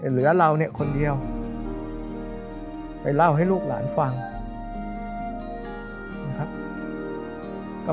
เหลือเราเนี่ยคนเดียวไปเล่าให้ลูกหลานฟังนะครับ